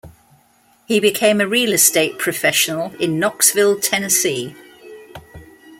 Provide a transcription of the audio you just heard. He became a real estate professional in Knoxville, Tennessee.